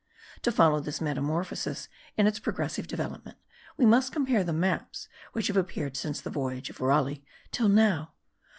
To follow this metamorphosis in its progressive development, we must compare the maps which have appeared since the voyage of Raleigh till now.